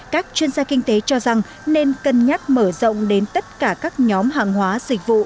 các chuyên gia kinh tế cho rằng nên cân nhắc mở rộng đến tất cả các nhóm hàng hóa dịch vụ